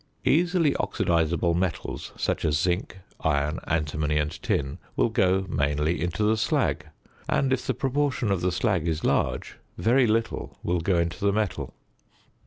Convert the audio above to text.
Easily oxidisable metals such as zinc, iron, antimony and tin, will go mainly into the slag, and, if the proportion of the slag is large, very little will go into the metal.